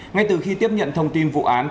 ngay từ khi tiếp nhận thông tin vụ án